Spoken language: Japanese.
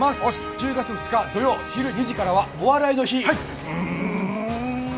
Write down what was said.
１０月２日土曜昼からは「お笑いの日」。